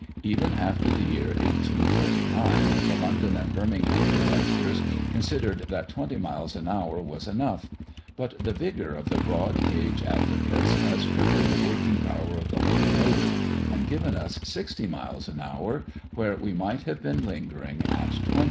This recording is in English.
Even after the year 1849, the London and Birmingham Directors considered that 20 miles an hour was enough; but the vigour of the broad gauge advocates has tripled the working power of the locomotive, and given us 60 miles an hour where we might have been lingering at 20.